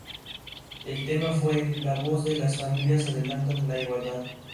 El tema fue "La voz de las familias adelantan la igualdad.